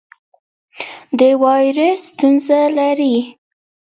د وایرس ستونزه لرئ؟